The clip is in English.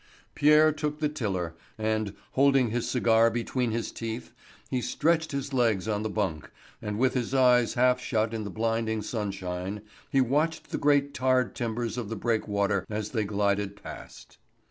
Pierre took the tiller, and, holding his cigar between his teeth, he stretched his legs on the bunk, and with his eyes half shut in the blinding sunshine, he watched the great tarred timbers of the breakwater as they glided past.